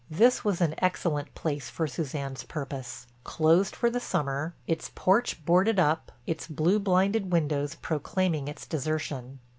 This was an excellent place for Suzanne's purpose, closed for the summer, its porch boarded up, its blue blinded windows proclaiming its desertion.